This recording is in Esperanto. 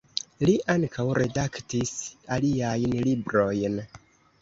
Li ankaŭ redaktis aliajn librojn.